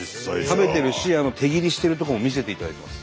食べてるし手切りしてるとこも見せていただいてます。